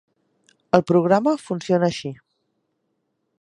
El programa funciona així.